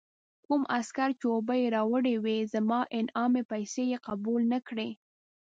کوم عسکر چې اوبه یې راوړې وې، زما انعامي پیسې یې قبول نه کړې.